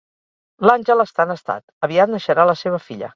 L'Àngel està en estat, aviat neixerà la seva filla